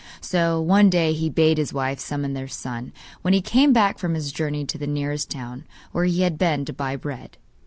So, one day, he bade his wife summon their son, when he came back from his journey to the nearest town, where he had been to buy bread.